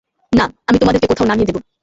না, আমি তোমাদেরকে কোথাও নামিয়ে দেবো।